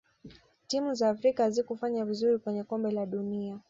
timu za afrika hazikufanya vizuri kwenye kombe la dunia